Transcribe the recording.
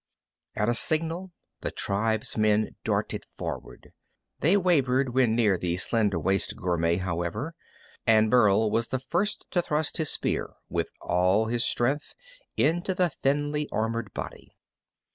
At a signal the tribesmen darted forward. They wavered when near the slender waisted gourmet, however, and Burl was the first to thrust his spear with all his strength into the thinly armored body.